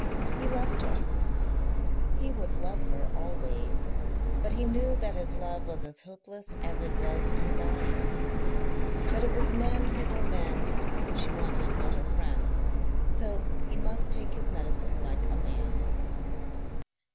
He loved her, he would love her always, but he knew that his love was as hopeless as it was undying. But it was men who were men whom she wanted for her friends, so he must take his medicine like a man.